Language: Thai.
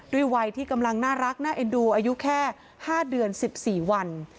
วัยที่กำลังน่ารักน่าเอ็นดูอายุแค่๕เดือน๑๔วัน